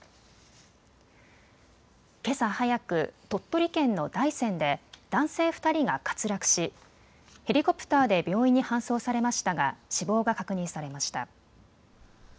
けさ早く、鳥取県の大山で男性２人が滑落しヘリコプターで病院に搬送されましたが死亡が確認されました。